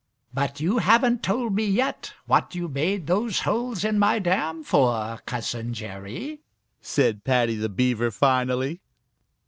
"But you haven't told me yet what you made those holes in my dam for, Cousin Jerry," said Paddy the Beaver finally.